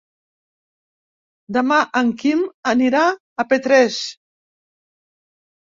Demà en Quim anirà a Petrés.